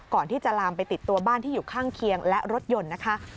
ก่อนที่จะลามไปติดตัวบ้านที่อยู่ข้างเคียงและรถยนต์นะคะ